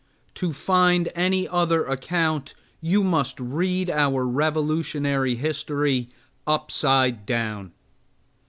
To find any other account, you must read our Revolutionary history upside down.